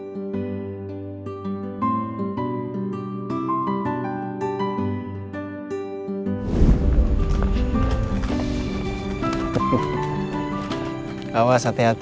ofeng ofeng bercimpangan pritsu nggak tahu apa apa